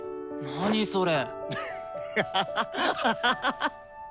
何それ！？